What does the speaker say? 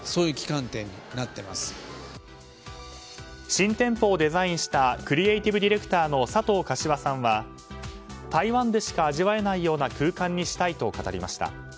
新店舗をデザインしたクリエイティブディレクターの佐藤可士和さんは台湾でしか味わえないような空間にしたいと語りました。